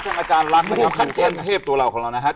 ช่วงอาจารย์ลักษณ์ขั้นเทพตัวเรานะครับ